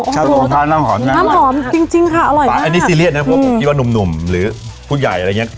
ชาโหกน้ำหอมอร่อยมากป๊าอันนี้ซีเรียสนะเพราะชาวนุ่มหรือผู้ใหญ่อะไรงี้